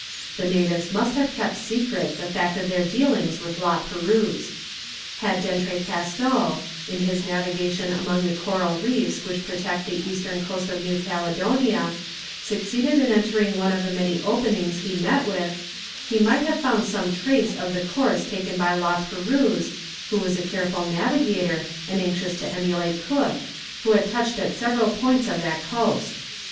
The natives must have kept secret the fact of their dealings with La Perouse. Had D'Entrecasteaux, in his navigation among the coral reefs which protect the eastern coast of New Caledonia, succeeded in entering one of the many openings he met with, he might have found some trace of the course taken by La Perouse, who was a careful navigator, and anxious to emulate Cook, who had touched at several points of that coast.